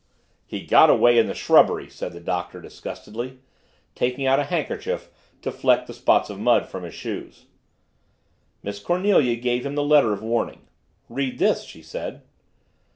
"He got away in the shrubbery," said the Doctor disgustedly, taking out a handkerchief to fleck the spots of mud from his shoes. Miss Cornelia gave him the letter of warning. "Read this," she said.